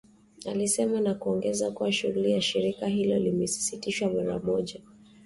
alisema na kuongeza kuwa shughuli za shirika hilo zimesitishwa mara moja